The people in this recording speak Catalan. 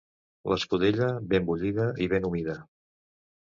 L'escudella, ben bullida i ben humida.